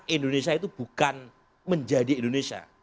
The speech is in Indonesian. indonesia itu bukan menjadi indonesia